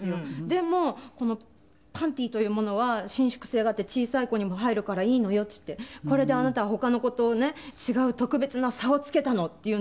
でも「このパンティーというものは伸縮性があって小さい子にも入るからいいのよ」っつって「これであなたは他の子とね違う特別な差をつけたの」って言うんですよ。